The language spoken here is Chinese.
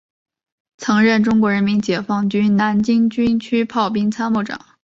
曾任中国人民解放军南京军区炮兵参谋长。